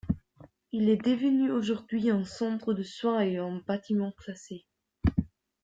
Il est devenu aujourd'hui un centre de soins et un bâtiment classé.